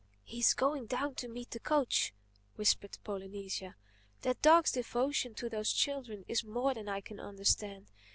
"He's going down to meet the coach," whispered Polynesia. "That dog's devotion to those children is more than I can understand.